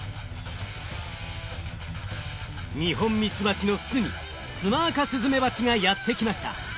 ニホンミツバチの巣にツマアカスズメバチがやって来ました。